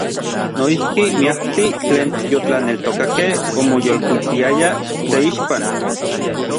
Noijki miaktij tlen yotlaneltokakej omoyolkuitiayaj teixpan.